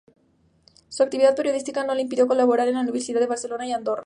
Su actividad periodística no le impidió colaborar con las Universidades de Barcelona y Andorra.